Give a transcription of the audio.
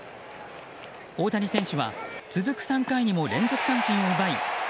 大谷選手は続く３回にも連続三振を奪い